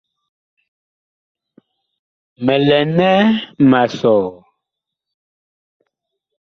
Mi lɛ nɛ ma sɔ ?